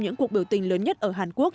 những cuộc biểu tình lớn nhất ở hàn quốc